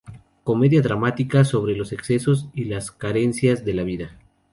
Comedia dramática sobre los excesos y las carencias de la vida.